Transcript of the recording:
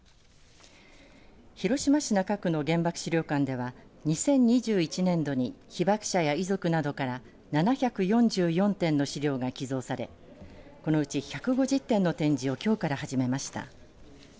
広島市中区の原爆資料館では２０２１年度に被爆者や遺族などから７４４点の資料が寄贈されこのうち１５０点の展示をきょうから始めました。